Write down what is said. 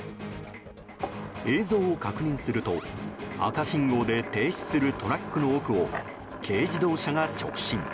映像を確認すると赤信号で停止するトラックの奥を軽自動車が直進。